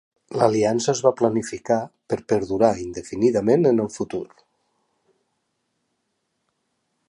L'aliança es va planificar per perdurar indefinidament en el futur.